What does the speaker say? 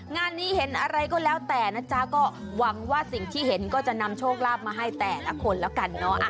งานนี้เห็นอะไรก็แล้วแต่นะจ๊ะก็หวังว่าสิ่งที่เห็นก็จะนำโชคลาภมาให้แต่ละคนแล้วกันเนอะ